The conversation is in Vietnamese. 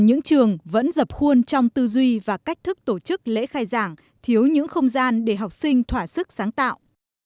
những trường vẫn dập khuôn trong tư duy và cách thức tổ chức lễ khai giảng thiếu những không gian để học sinh thỏa sức sáng tạo